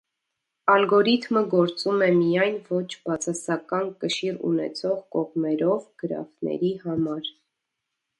Ալգորիթմը գործում է միայն ոչ բացասական կշիռ ունեցող կողմերով գրաֆների համար։